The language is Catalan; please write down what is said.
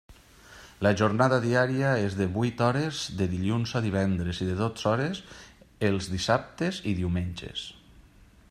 La jornada diària és de vuit hores de dilluns a divendres i de dotze hores els dissabtes i diumenges.